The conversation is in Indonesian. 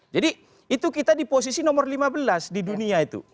jadi itu kita di posisi nomor lima belas di dunia itu